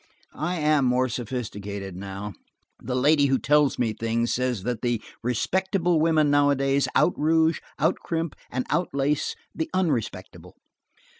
I am more sophisticated now; The Lady Who Tells Me Things says that the respectable women nowadays, out rouge, out crimp and out lace the unrespectable.